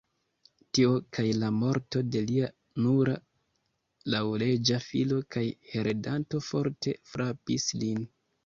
Tio kaj la morto de lia nura laŭleĝa filo kaj heredanto forte frapis lin.